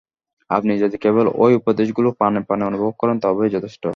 আপনি যদি কেবল ঐ উপদেশগুলি প্রাণে প্রাণে অনুভব করেন, তবেই যথেষ্ট।